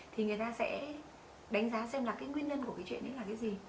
thì người ta sẽ đánh giá xem nguyên nhân của chuyện đó là gì